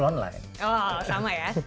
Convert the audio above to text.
oh sama ya